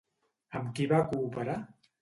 Amb qui va cooperar?